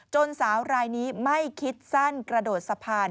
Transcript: สาวรายนี้ไม่คิดสั้นกระโดดสะพาน